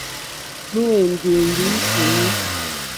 Lúwɛ̀ndì lítúnì.